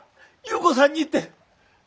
優子さんにって！